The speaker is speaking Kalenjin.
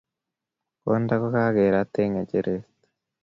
kondait ko kokakerat eng' ngecheret